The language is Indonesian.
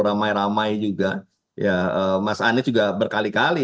ramai ramai juga ya mas anies juga berkali kali